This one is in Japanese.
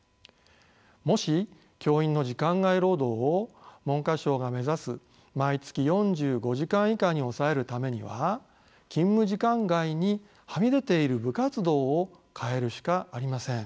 もし教員の時間外労働を文科省が目指す毎月４５時間以下に抑えるためには勤務時間外にはみ出ている部活動を変えるしかありません。